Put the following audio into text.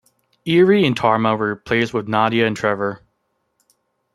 Eri and Tarma were replaced with Nadia and Trevor.